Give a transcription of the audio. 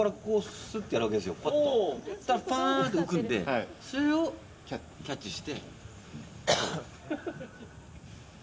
ふわっと浮くのでそれをキャッチして。